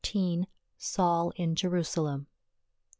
SAUL IN JERUSALEM.